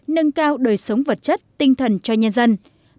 nâng cao đời sống vật chất tinh thần cho nhân dân